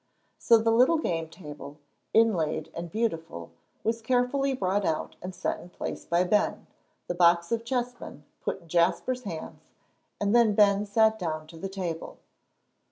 So the little game table, inlaid and beautiful, was carefully brought out and set in place by Ben, the box of chessmen put in Jasper's hands, and then Ben sat down to the table.